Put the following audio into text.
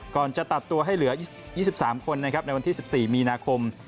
จะตัดตัวให้เหลือ๒๓คนนะครับในวันที่๑๔มีนาคม